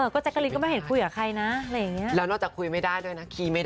เขาว่าฉันนั้นคุยไม่เป็น